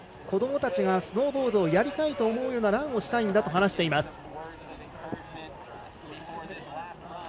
子どもたちがスノーボードをやりたいと思うようなランをしたいんだと話しています。